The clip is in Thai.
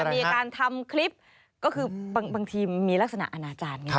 มีการทำคลิปก็คือบางทีมีลักษณะอนาจารย์ไง